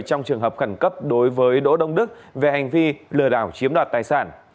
trong trường hợp khẩn cấp đối với đỗ đông đức về hành vi lừa đảo chiếm đoạt tài sản